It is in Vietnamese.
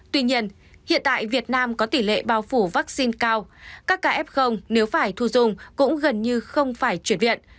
tuy nhiên hiện tại việt nam có tỷ lệ bao phủ vaccine cao các kf nếu phải thu dùng cũng gần như không phải chuyển viện